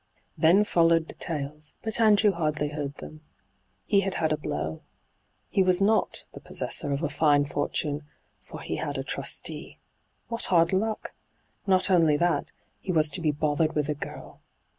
Then followed details, but Andrew hardly heard them. He had had a blow. He was not the possessor of a fine fortune, for he had a trustee. What hard luck ! Not only that : he was to be bothered with a girl.